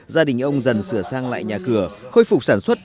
gia đình ông dần sửa sang lại nhà cửa khôi phục sản xuất